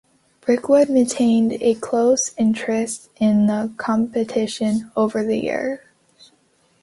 Brickwood maintained a close interest in the competition over the years.